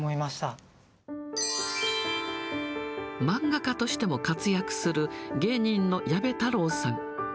漫画家としても活躍する芸人の矢部太郎さん。